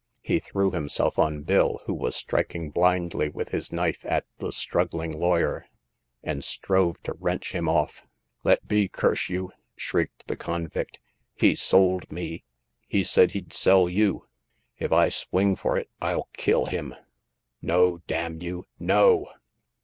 He threw himself on Bill, who was striking blindly with his knife at the struggling lawyer, and strove to wrench him off. Let be, curse you !'* shrieked the convict. He sold me ; he said he'd sell you ! If I swing for it, FU kill him !"No, d n you, no